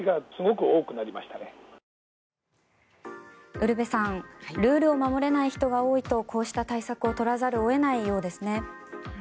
ウルヴェさんルールを守れない人が多いとこうした対策を取らざるを得ないようですね。